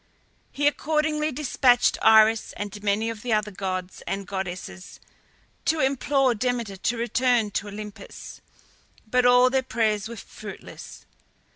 He accordingly despatched Iris and many of the other gods and goddesses to implore Demeter to return to Olympus; but all their prayers were fruitless.